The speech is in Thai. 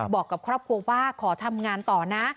บอกกับครอบครัวว่าขอทำงานต่อนะ